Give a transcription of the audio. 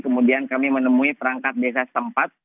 kemudian kami menemui perangkat desa setempat